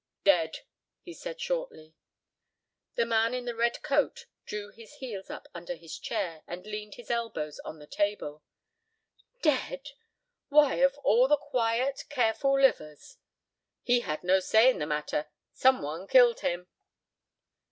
"Dead," he said, shortly. The man in the red coat drew his heels up under his chair and leaned his elbows on the table. "Dead! Why, of all the quiet, careful livers—" "He had no say in the matter. Some one killed him."